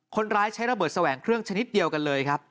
คนร้ายใช้ระเบิดแสวงเครื่องชนิดเดียวกันเลยครับ